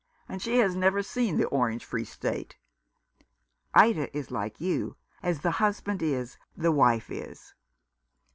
And she has never seen the Orange Free State." " Ida is like you —' as the husband is the wife is.'